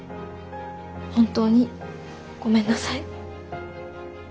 本当にごめんなさい。